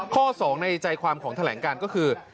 ข้อ๒ในใจความของแถลงการก็คือ